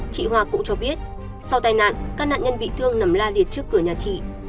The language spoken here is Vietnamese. chị hoa cũng cho biết sau tai nạn các nạn nhân bị thương nằm la liệt trước cửa nhà chị